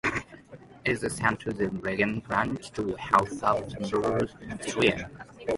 It is the seat of the Belgian branch of the House of Limburg-Stirum.